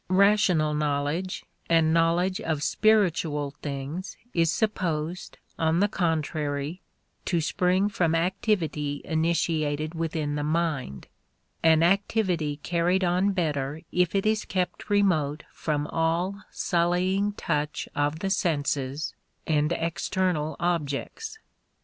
Rational knowledge and knowledge of spiritual things is supposed, on the contrary, to spring from activity initiated within the mind, an activity carried on better if it is kept remote from all sullying touch of the senses and external objects.